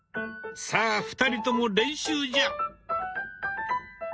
さあ２人とも練習じゃ。